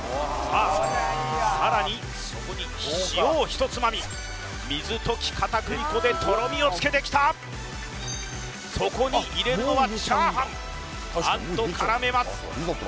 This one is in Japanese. さらにそこに塩をひとつまみ水溶き片栗粉でとろみをつけてきたそこに入れるのは炒飯餡と絡めます